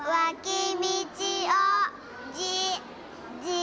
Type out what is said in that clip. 「じ」！